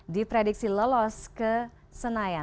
di prediksi lolos ke senayan